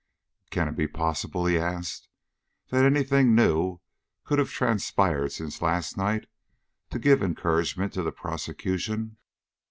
"Can it be possible," asked he, "that any thing new could have transpired since last night to give encouragement to the prosecution?"